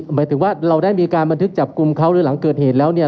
หมายถึงว่าเราได้มีการบันทึกจับกลุ่มเขาหรือหลังเกิดเหตุแล้วเนี่ย